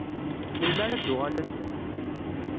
Melmi ara d-uɣalent?